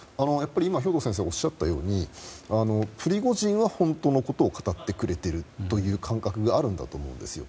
兵頭先生がおっしゃったようにプリゴジンは本当のことを語ってくれているという感覚があるんだと思うんです。